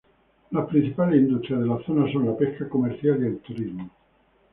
Las principales industrias de la zona son la pesca comercial y el turismo.